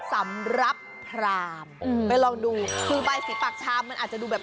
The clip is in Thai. สำหรับพรามไปลองดูคือใบสีปากชามมันอาจจะดูแบบ